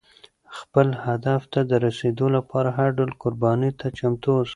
خپل هدف ته د رسېدو لپاره هر ډول قربانۍ ته چمتو اوسه.